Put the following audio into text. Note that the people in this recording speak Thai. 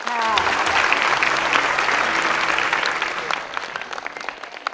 สวัสดีค่ะ